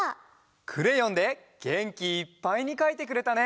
クレヨンでげんきいっぱいにかいてくれたね。